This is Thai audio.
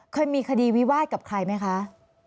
เคยมีคดีวิวาสกับใครไหมคะ